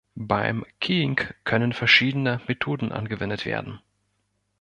Beim Keying können verschiedene Methoden angewendet werden.